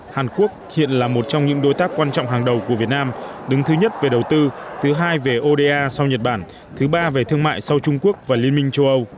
hàn quốc hiện là một trong những đối tác quan trọng hàng đầu của việt nam đứng thứ nhất về đầu tư thứ hai về oda sau nhật bản thứ ba về thương mại sau trung quốc và liên minh châu âu